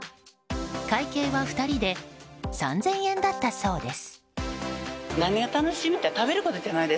会計は２人で３０００円だったそうです。